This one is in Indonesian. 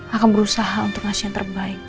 akan berusaha untuk ngasih yang terbaik